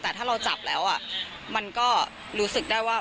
แต่ถ้าเราจับแล้วมันก็รู้สึกได้ว่า